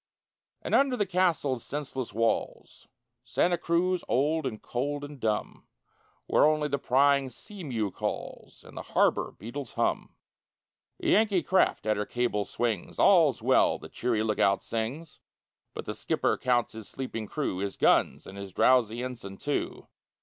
And under the castle's senseless walls (Santa Cruz, old and cold and dumb), Where only the prying sea mew calls, And the harbor beetles hum, A Yankee craft at her cable swings: "All's well!" the cheery lookout sings. But the skipper counts his sleeping crew, His guns, and his drowsy ensign, too.